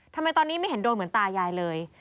ทำไมตอนนี้ไม่เห็นโดนเหมือนตายายเลย